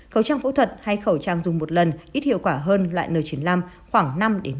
khẩu trang phẫu thuật hay khẩu trang dùng một lần ít hiệu quả hơn loại n chín mươi năm khoảng năm một mươi